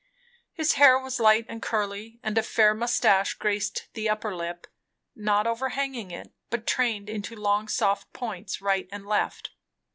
His hair was light and curly, and a fair moustache graced the upper lip; not overhanging it, but trained into long soft points right and left.